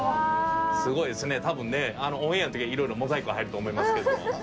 すごいですね多分ねオンエアの時はいろいろモザイク入ると思いますけども。